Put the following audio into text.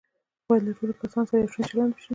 باید له ټولو کسانو سره یو شان چلند وشي.